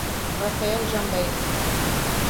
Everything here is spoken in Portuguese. Rafael Jambeiro